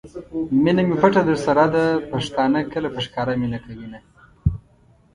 مینه می پټه درسره ده ؛ پښتانه کله په ښکاره مینه کوینه